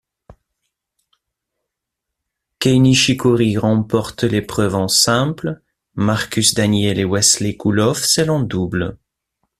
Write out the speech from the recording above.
Kei Nishikori remporte l'épreuve en simple, Marcus Daniell et Wesley Koolhof celle en double.